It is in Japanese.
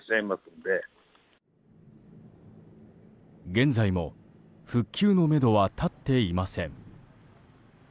現在も復旧のめどは立っていません。